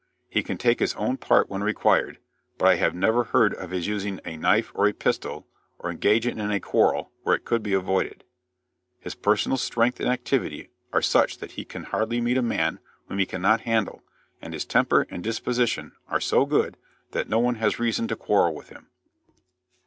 He can take his own part when required, but I have never heard of his using a knife or a pistol, or engaging in a quarrel where it could be avoided. His personal strength and activity are such that he can hardly meet a man whom he cannot handle, and his temper and disposition are so good that no one has reason to quarrel with him.